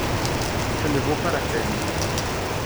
Ça ne vaut pas la peine.